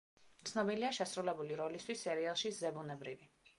ცნობილია შესრულებული როლისთვის სერიალში „ზებუნებრივი“.